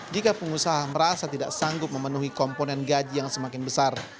jika pengusaha merasa tidak sanggup memenuhi komponen gaji yang semakin besar